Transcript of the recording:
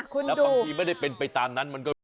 คุณดูแล้วบางทีไม่ได้เป็นไปตามนั้น